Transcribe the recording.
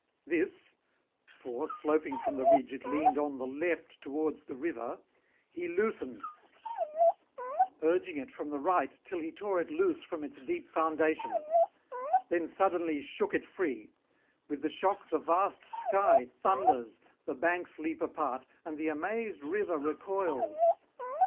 This for, sloping from the ridge, it leaned on the left towards the river he loosened, urging it from the right till he tore it loose from its deep foundations; then suddenly shook it free; with the shock the vast sky thunders, the banks leap apart, and the amazed river recoils.